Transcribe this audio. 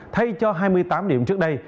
thay cho hai mươi tám điểm trước đây